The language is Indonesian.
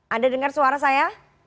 anda dengar suara saya